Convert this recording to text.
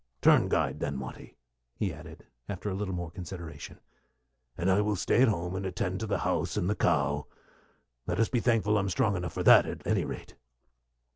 Turn guide, then, Watty," he added, after a little more consideration, "and I will stay at home and attend to the house and the cow. Let us be thankful I'm strong enough for that, at any rate."